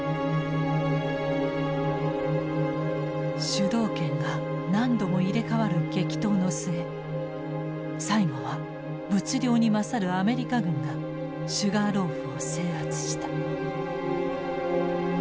主導権が何度も入れ代わる激闘の末最後は物量に勝るアメリカ軍がシュガーローフを制圧した。